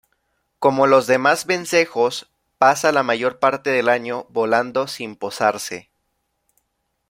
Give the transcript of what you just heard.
Como los demás vencejos pasa la mayor parte del año volando sin posarse.